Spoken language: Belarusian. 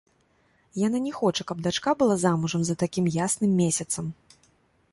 Яна не хоча, каб дачка была замужам за такім ясным месяцам.